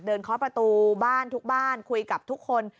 เคาะประตูบ้านทุกบ้านคุยกับทุกคน